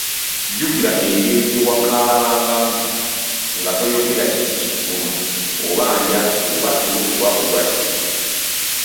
Jjukira engeri gye wakaabangamu, nga toyogera kiki kikuluma, oba njala, oba tulo, oba bulwadde.